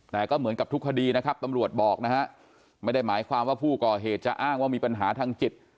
แต่ก็เหมือนกับทุกคดีนะครับตำรวจบอกนะฮะไม่ได้หมายความว่าผู้ก่อเหตุจะอ้างว่ามีปัญหาทางจิต